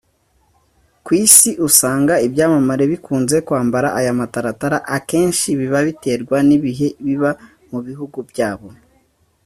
Ku Isi usanga ibyamamare bikunze kwambara aya mataratara akenshi biba biterwa n’ibihe biba mu bihugu byabo